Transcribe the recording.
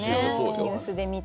ニュースで見て。